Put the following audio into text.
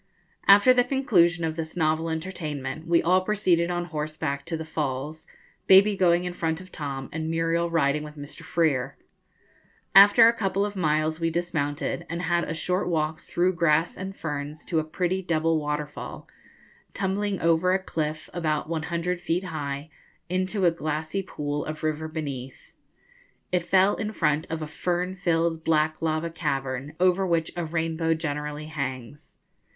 After the conclusion of this novel entertainment, we all proceeded on horseback to the Falls, Baby going in front of Tom, and Muriel riding with Mr. Freer. After a couple of miles we dismounted, and had a short walk through grass and ferns to a pretty double waterfall, tumbling over a cliff, about 100 feet high, into a glassy pool of the river beneath. It fell in front of a fern filled black lava cavern, over which a rainbow generally hangs.